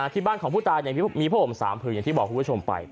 ที่บ้านของผู้ตายคือมีแล้วพื้นสามผืนอย่างที่บอกกับคุณผู้ชมไป